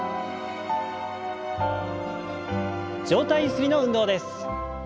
上体ゆすりの運動です。